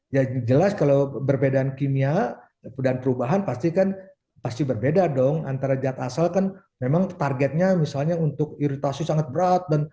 ya jelas kalau berbedaan kimia dan perubahan pasti kan pasti berbeda dong antara zat asal kan memang targetnya misalnya untuk iritasi sangat berat